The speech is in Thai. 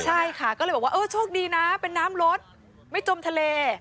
ใช่ค่ะก็เลยบอกว่าเออโชคดีนะเป็นน้ำรถไม่จมทะเล